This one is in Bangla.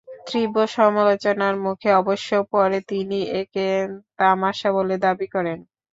তীব্র সমালোচনার মুখে অবশ্য পরে তিনি একে তামাশা বলে দাবি করেন।